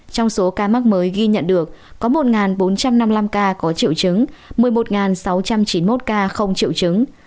trong số ca mắc mới ghi nhận được có một bốn trăm năm mươi năm ca có triệu chứng một mươi một sáu trăm chín mươi một ca không triệu chứng